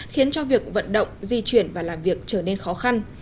khiến cho việc vận động di chuyển và làm việc trở nên khó khăn